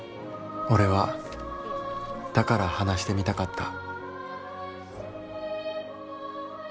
「俺はだから話してみたかった」。